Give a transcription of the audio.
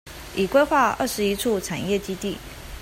已規劃二十一處產業基地